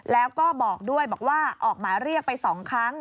แล้วก็บอกด้วยบอกว่าออกหมายเรียกไป๒ครั้ง